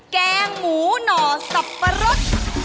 แกงหมูหน่อสับปะรด